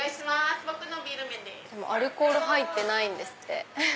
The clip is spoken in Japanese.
アルコール入ってないんですって。